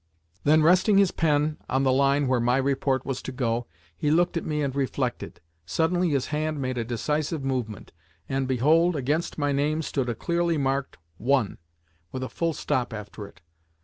Then, resting his pen on the line where my report was to go, he looked at me and reflected. Suddenly his hand made a decisive movement and, behold, against my name stood a clearly marked one, with a full stop after it!